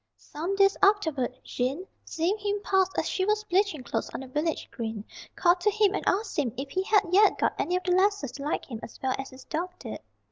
Some days afterward, Jean, seeing him pass as she was bleaching clothes on the village green, called to him and asked him if he had yet got any of the lasses to like him as well as his dog did.